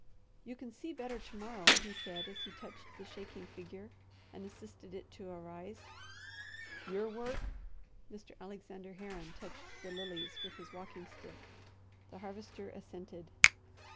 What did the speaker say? "You can see better to morrow," he said as he touched the shaking figure and assisted it to arise. "Your work?" Mr. Alexander Herron touched the lilies with his walking stick. The Harvester assented.